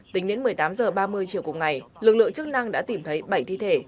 tính đến một mươi tám h ba mươi chiều cùng ngày lực lượng chức năng đã tìm thấy bảy thi thể